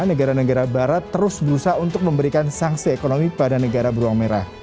negara negara barat terus berusaha untuk memberikan sanksi ekonomi pada negara beruang merah